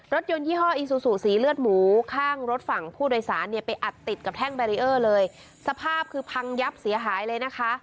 ยนยี่ห้ออีซูซูสีเลือดหมูข้างรถฝั่งผู้โดยสารเนี่ยไปอัดติดกับแท่งแบรีเออร์เลยสภาพคือพังยับเสียหายเลยนะคะ